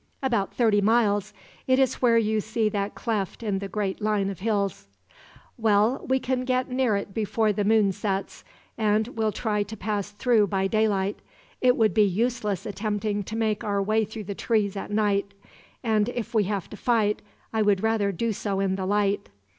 "About thirty miles. It is where you see that cleft in the great line of hills." "Well, we can get near it before the moon sets, and will try to pass through by daylight. It would be useless attempting to make our way through the trees at night; and if we have to fight, I would rather do so in the light.